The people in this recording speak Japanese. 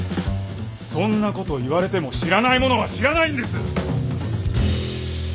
そんなこと言われても知らないものは知らないんです。